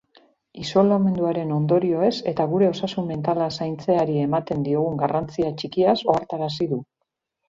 Isolamenduaren ondorioez eta gure osasun mentala zaintzeari ematen diogun garrantzia txikiaz ohartarazi du.